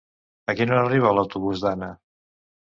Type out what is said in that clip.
A quina hora arriba l'autobús d'Anna?